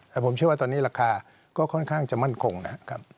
แต่ผมเชื่อว่าตอนนี้ราคาก็ค่อนข้างจะมั่นคงนะครับ